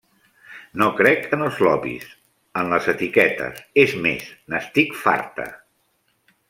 No crec en els 'lobbys', en les etiquetes; és més, n'estic farta.